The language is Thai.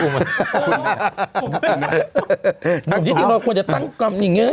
ผมวิธีจริงเราควรจะตั้งกลุ่มอย่างเงี้ย